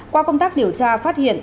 qua công tác điều tra phát hiện